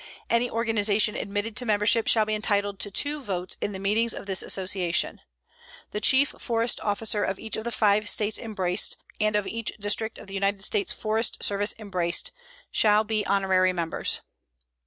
Any organization admitted to membership shall be entitled to two votes in the meetings of this Association. The chief forest officer of each of the five States embraced, and of each district of the United States Forest Service embraced, shall be honorary members."